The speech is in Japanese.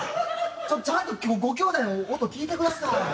ちょっとちゃんとご兄弟の音聴いてください。